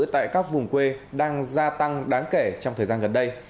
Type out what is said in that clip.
tại các vùng quê đang gia tăng đáng kể trong thời gian gần đây